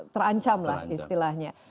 terancam lah istilahnya